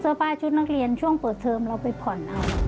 ป้าชุดนักเรียนช่วงเปิดเทอมเราไปผ่อนเอา